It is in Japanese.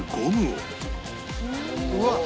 「うわっ！